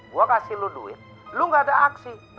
gue kasih lo duit lu gak ada aksi